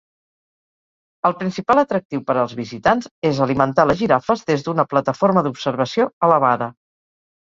El principal atractiu per als visitants és alimentar les girafes des d'una plataforma d'observació elevada.